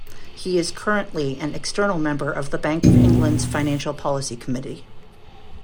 He is currently an external member of the Bank of England's Financial Policy Committee.